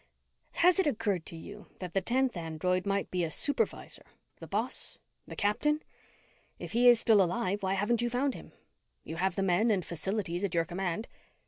"Has it occurred to you that the tenth android might be a supervisor, the boss, the captain? If he is still alive, why haven't you found him? You have the men and facilities at your command."